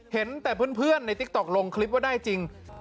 เห็นแต่เพื่อนในติ๊กต๊อกลงคลิปว่าได้จริง